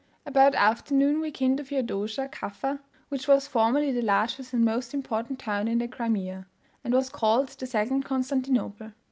About afternoon we came to Feodosia (Caffa), which was formerly the largest and most important town in the Crimea, and was called the second Constantinople.